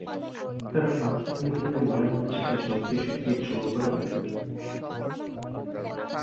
তার ভাবভঙ্গি দেখে মনে হচ্ছে, সে সত্যি-সত্যি জোর করে মুখে তুলে দেবে।